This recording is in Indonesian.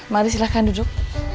mari silahkan duduk